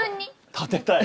立てたい？